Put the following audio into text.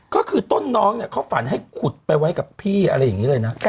ก็คือต้นน้องเนี่ยเขาฝันให้ขุดไปไว้กับพี่อะไรอย่างนี้เลยนะ